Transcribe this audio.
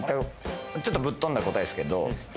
ちょっとぶっ飛んだ答えですけどははは